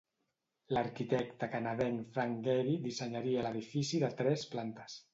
L'arquitecte canadenc Frank Gehry dissenyaria l'edifici de tres plantes.